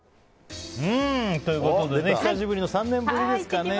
久しぶり、３年ぶりですかね